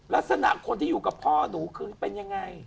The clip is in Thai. ลักษณะคนที่อยู่กับพ่อหนูคือเป็นยังไง